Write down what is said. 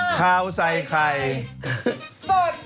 คาวใส่ใคร